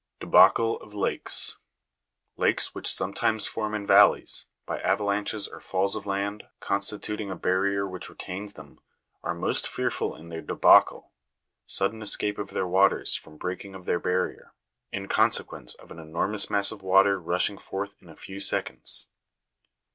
12. Debacle of Lakes. Lakes which sometimes form in valleys^ by avalanches or falls of land, constituting a barrier which retains them, are most fearful in their debacle (sudden escape of their waters from breaking of their barrier), in consequence of an enor mous mass of water rushing forth in a few seconds.